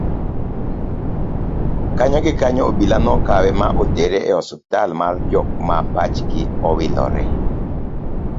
kanyo gi kanyo obila nokawe ma otere e ospital mar jok ma pachgi owilore